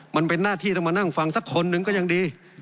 มันเป็นหน้าที่ต้องมานั่งฟังสักคนหนึ่งก็ยังดี